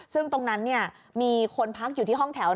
ซึ่งตรงนั้นมีคนพักอยู่ที่ห้องแถว